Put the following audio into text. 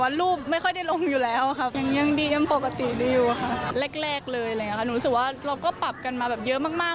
หนูรู้สึกว่าเราก็ปรับกันมาเยอะมาก